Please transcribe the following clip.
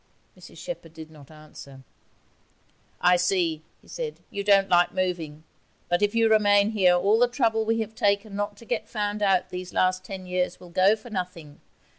Mrs Shepherd did not answer. 'I see,' he said, 'you don't like moving, but if you remain here all the trouble we have taken not to get found out these last ten years will go for nothing.